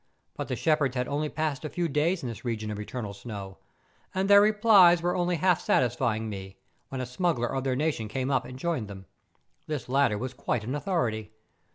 But the shepherds had only passed a few days in this region of eternal snow; and their replies were only half satisfying me, when a smuggler of their nation came up and joined them. This latter was quite an authority.